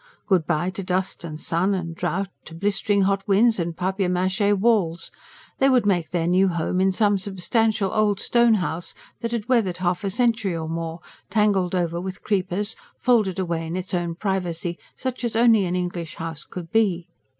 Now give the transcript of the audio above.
Good bye to dust, and sun, and drought, to blistering hot winds and PAPIER MACHE walls! They would make their new home in some substantial old stone house that had weathered half a century or more, tangled over with creepers, folded away in its own privacy as only an English house could be.